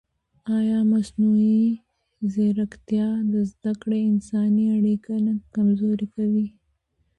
ایا مصنوعي ځیرکتیا د زده کړې انساني اړیکه نه کمزورې کوي؟